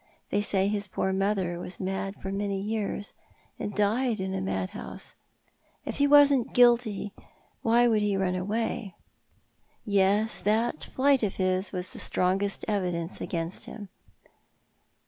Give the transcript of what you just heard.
They say his poor mother was mad for many years, and died in a madhouse. If he wasn't guilty why should he run away ?" Yes, that flight of his was the strongest evidence against him.